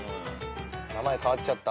名前変わっちゃった。